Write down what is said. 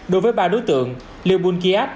đối với ba đối tượng lee boon khiat